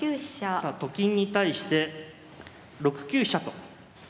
さあと金に対して６九飛車と。